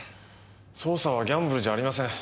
捜査はギャンブルじゃありません。